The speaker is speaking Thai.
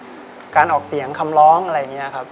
ก็ในเรื่องของการออกเสียงคำร้องอะไรอย่างนี้ครับ